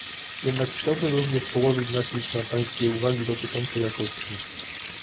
Jednak chciałbym również położyć nacisk na pańskie uwagi dotyczące jakości